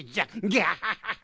ギャハハハ！